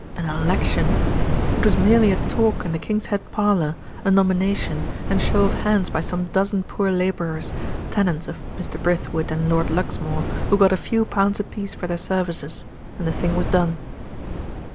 An election! it was merely a talk in the King's Head parlour, a nomination, and show of hands by some dozen poor labourers, tenants of Mr. Brithwood and Lord Luxmore, who got a few pounds a piece for their services and the thing was done.